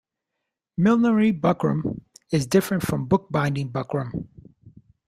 Millinery buckram is different from bookbinding buckram.